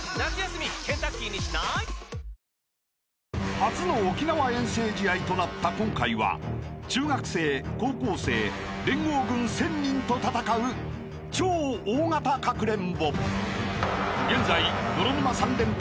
［初の沖縄遠征試合となった今回は中学生高校生連合軍１，０００人と戦う超大型かくれんぼ］